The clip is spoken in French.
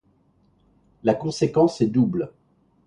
La conséquence est double.